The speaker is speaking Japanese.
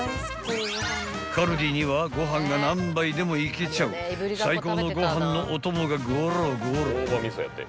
［カルディにはご飯が何杯でもいけちゃう最高のご飯のお供がごろごろ］